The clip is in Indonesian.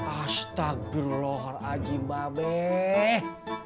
astagelor haji mba beh